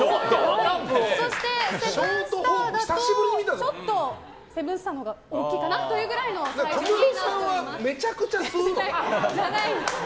そしてセブンスターだとちょっとセブンスターのほうが大きいかな？というくらいの小室さんはめちゃくちゃ吸う？